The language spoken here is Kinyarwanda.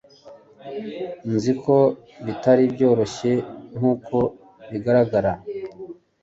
Nzi ko bitari byoroshye nkuko bigaragara